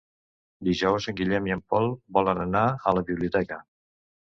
Dijous en Guillem i en Pol volen anar a la biblioteca.